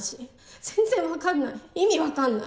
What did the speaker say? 全然わかんない意味わかんない。